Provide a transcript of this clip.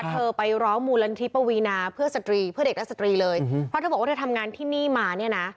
ไปร้องมูลนิธิปวีนาเพื่อสตรีเพื่อเด็กและสตรีเลยเพราะเธอบอกว่าเธอทำงานที่นี่มาเนี่ยนะ